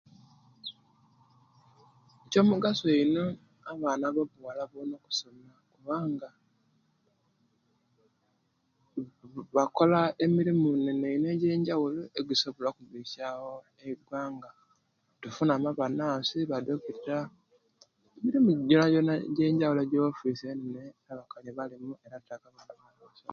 Kyomugaso ino abaana bobuwala bona okusoma kubanga bakola emirimu inene ino ejenjabulo egisobola okubesya wo eigwanga tufuna mu abanansi, badocta mirimu jonajona eje wofiso enene abakali balimu